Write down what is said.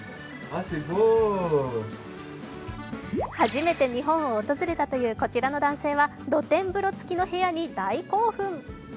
初めて日本を訪れたというこちらの男性は露天風呂付きの部屋に大興奮！